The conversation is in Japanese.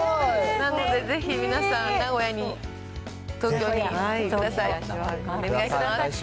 なのでぜひ皆さん、名古屋に、東京に、会いに来てください。